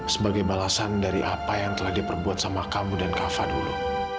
sebagai balasan dari apa yang telah diperbuat sama kamu dan kava dulu